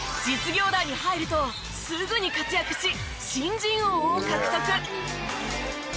実業団に入るとすぐに活躍し新人王を獲得。